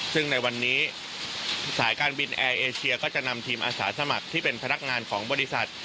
ซึ่งในวันนี้สายการบินแอร์เอเชียก็จะนำทีมอาสาสมัครที่เป็นพนักงานของบริษัท